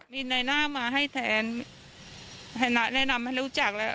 มีนายน่ามาให้แทนให้นายนัทวัฒน์รับให้รู้จักแล้ว